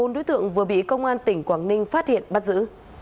bốn đối tượng vừa bị công an tỉnh quảng ninh phát hiện bắt giữ